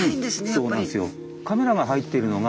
そうなんですよ。